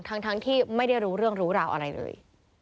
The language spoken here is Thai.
ทั้งที่ไม่ได้รู้เรื่องรู้ราวอะไรเลย